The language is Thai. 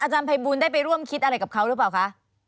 ภัยบูลได้ไปร่วมคิดอะไรกับเขาหรือเปล่าคะ